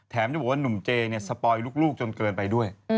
แถมว่าหนุ่มเจี่ยแสปอยลูกจนเกินไปด้วย